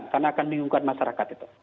karena akan bingungkan masyarakat itu